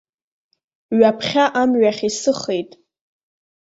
Ҩаԥхьа амҩахь исыхеит.